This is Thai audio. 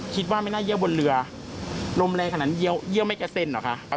คิดว่าไม่น่าเยี่ยวบนเรือลมแรงขนาดเยี่ยวไม่กระเซ็นเหรอคะ